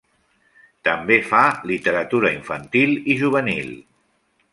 També fa literatura infantil i juvenil.